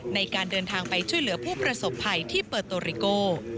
ในการเดินทางไปช่วยเหลือผู้ประสบภัยที่เปิดโตริโก